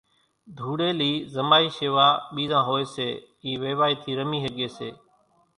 ڌوڙيلي زمائي شيوا ٻيران ھوئي سي اِي ويوائي ٿي رمي ۿڳي سي،